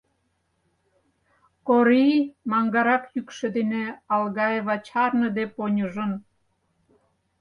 — Кори! — маҥгарак йӱкшӧ дене Алгаева чарныде поньыжын.